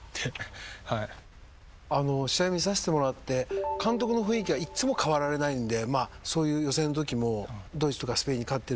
試合見させてもらって監督の雰囲気はいつも変わられないんでそういう予選のときもドイツとかスペインに勝ってるときの。